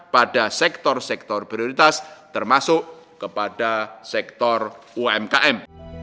pada sektor sektor prioritas termasuk kepada sektor umkm